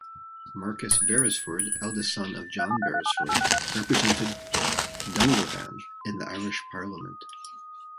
Marcus Beresford, eldest son of John Beresford, represented Dungarvan in the Irish Parliament.